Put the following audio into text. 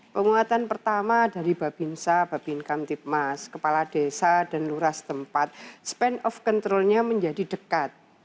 penguatan pertama dari babinsa babinkam tipmas kepala desa dan luras tempat span of controlnya menjadi dekat